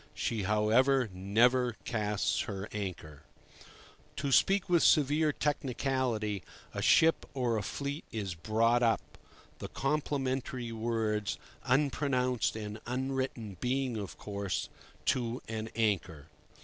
She, however, never "casts" her anchor. To speak with severe technicality, a ship or a fleet is "brought up"—the complementary words unpronounced and unwritten being, of course, "to an anchor."